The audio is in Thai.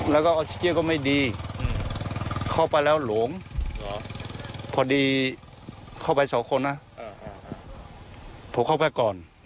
แล้วก็ออกซิเจียก็ไม่ดีเข้าไปแล้วหลงพอดีเข้าไปสองคนนะผมเข้าไปก่อน